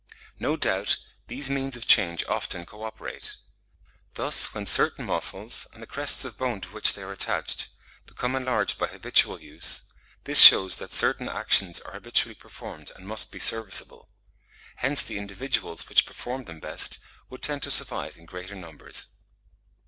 No doubt these means of change often co operate: thus when certain muscles, and the crests of bone to which they are attached, become enlarged by habitual use, this shews that certain actions are habitually performed and must be serviceable. Hence the individuals which performed them best, would tend to survive in greater numbers.